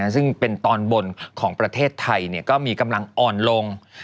ซึ่งเป็นตอนบนของประเทศไทยก็มีกำลังอ่อนลง